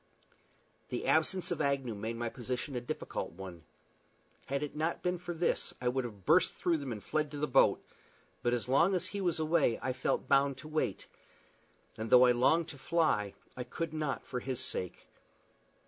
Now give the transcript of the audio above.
The absence of Agnew made my position a difficult one. Had it not been for this I would have burst through them and fled to the boat; but as long as he was away I felt bound to wait; and though I longed to fly, I could not for his sake.